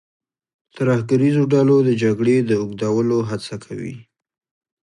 ترهګریزو ډلو د جګړې د اوږدولو هڅه کوي.